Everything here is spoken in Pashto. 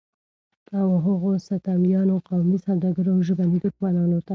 او هغو ستمیانو، قومي سوداګرو او ژبني دښمنانو ته